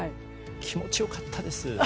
気持ち良かったです。